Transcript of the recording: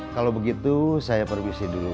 kalau begitu saya pergi sih dulu